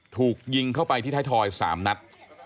ถูกยิงเข้าไปที่ไทยทอยสามนัด